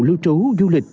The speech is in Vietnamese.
lưu trú du lịch